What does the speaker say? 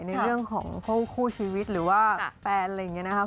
ในเรื่องของคู่ชีวิตหรือว่าแฟนอะไรอย่างนี้นะครับ